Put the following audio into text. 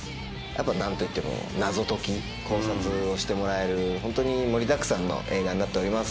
何といっても謎解き考察をしてもらえるホントに盛りだくさんの映画になっております。